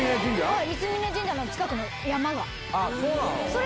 はい。